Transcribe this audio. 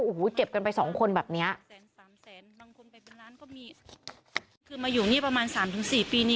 โอ้โฮเก็บกันไปสองคนแบบนี้